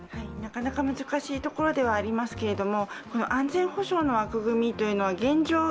なかなか難しいところではありますけれども安全保障の枠組みというのは、現状